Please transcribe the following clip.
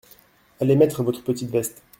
Allez mettre votre petite veste.